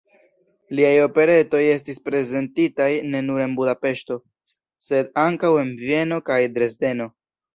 Liaj operetoj estis prezentitaj ne nur en Budapeŝto, sed ankaŭ en Vieno kaj Dresdeno.